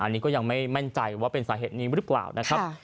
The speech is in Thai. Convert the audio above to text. อันนี้ก็ยังไม่มั่นใจว่าเป็นสาเหตุนี้หรือเปล่านะครับ